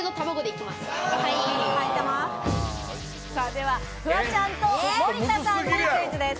では、フワちゃんと森田さんにクイズです。